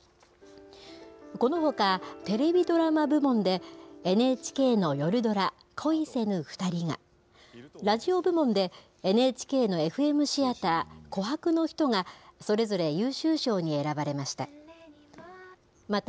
このほか、テレビ・ドラマ部門で、ＮＨＫのよるドラ、恋せぬふたりが、ラジオ部門で、ＮＨＫのＦＭシアター、琥珀のひとが、それぞれ優秀賞に選ばれました。